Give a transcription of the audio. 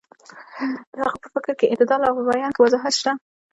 د هغه په فکر کې اعتدال او په بیان کې وضاحت شته.